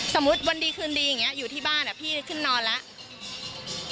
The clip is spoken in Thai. สมมุติวันดีคืนดีอย่างเงี้ยอยู่ที่บ้านอ่ะพี่ขึ้นนอนแล้ว